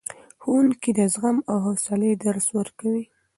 ښوونکي د زغم او حوصلې درس ورکوي.